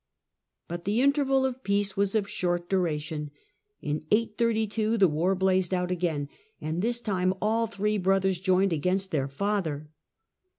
But the interval of peace was of short duration. In 832 the war blazed out again, and this time all three brothers joined against their father.